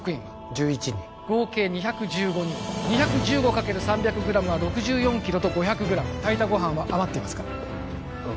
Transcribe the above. １１人合計２１５人２１５かける３００グラムは６４キロと５００グラム炊いたご飯は余っていますか？